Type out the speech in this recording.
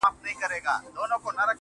د بدمستۍ برزخ ته ټول عقل سپارمه ځمه~